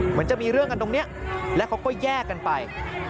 เหมือนจะมีเรื่องกันตรงนี้แล้วเขาก็แยกกันไป